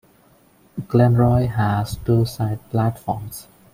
Glenroy has two side platforms.